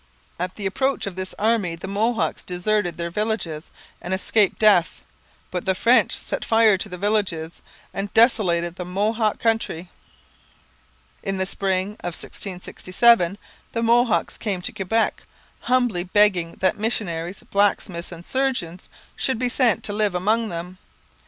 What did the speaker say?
At the approach of this army the Mohawks deserted their villages and escaped death. But the French set fire to the villages and desolated the Mohawk country. In the spring of 1667 the Mohawks came to Quebec humbly begging that missionaries, blacksmiths, and surgeons should be sent to live among them.